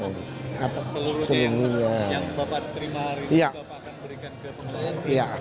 seluruhnya yang bapak terima hari ini bapak akan berikan ke persoalan